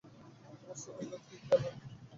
অবস্থা বেগতিক, অ্যালান।